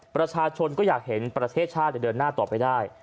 ประชาชนก็อยากเห็นประเทศชาติเดินหน้าต่อไปได้